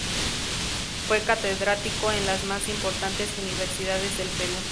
Fue catedrático en las más importantes universidades del Perú.